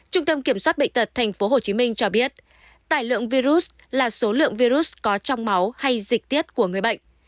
trung tâm kiểm soát bệnh tật tp hcm cho biết tài lượng virus là số lượng virus có trong máu hay dịch tiết của người bệnh